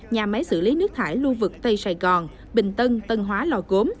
nhà máy xử lý nước thải lưu vực tây sài gòn bình tân tân hóa lò gốm